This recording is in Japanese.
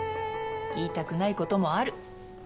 言いたくないこともある。